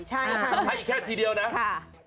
ให้แค่ทีเดียวนะ